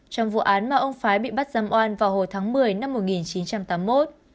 trong vụ án mà ông phái bị bắt giam oan vào hồi tháng một mươi năm một nghìn chín trăm tám mươi một